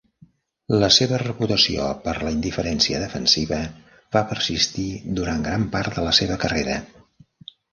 La seva reputació per la indiferència defensiva va persistir durant gran part de la seva carrera.